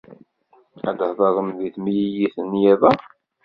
Ad tḥedṛem deg temlilit n yiḍ-a?